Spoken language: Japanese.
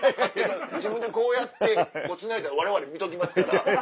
自分でこうやってつないだらわれわれ見ときますから。